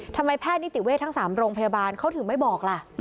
แพทย์นิติเวททั้ง๓โรงพยาบาลเขาถึงไม่บอกล่ะ